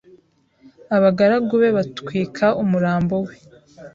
abagaragu be batwika umurambo we